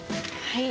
はい。